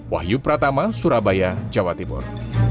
wahyu pratama surabaya jawa timur